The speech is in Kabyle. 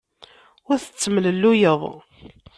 Ur tettemlelluyeḍ.